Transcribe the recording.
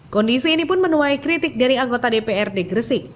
kondisi ini pun menuai kritik dari anggota dprd gresik